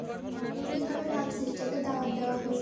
কিভাবে ভাবছিস, তোকে দাওয়াত দেওয়া হয়েছে?